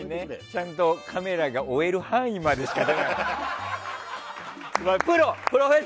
ちゃんとカメラが追える範囲までしか。